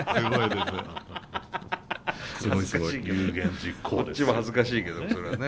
こっちも恥ずかしいけどそれはね。